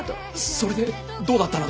それでどうだったのだ。